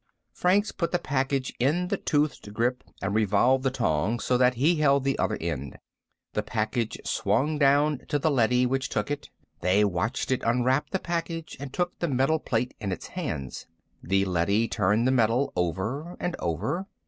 Franks put the package in the toothed grip and revolved the tong so that he held the other end. The package swung down to the leady, which took it. They watched it unwrap the package and take the metal plate in its hands. The leady turned the metal over and over.